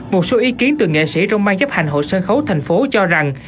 một số ý kiến từ nghệ sĩ trong ban chấp hành hội sân khấu thành phố cho rằng